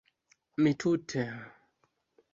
Mi tute...